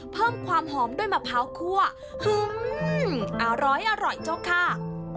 เพิ่มความหอมด้วยมะพร้าวคั่วอร้อยจ้าวค่ะ